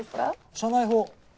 社内報。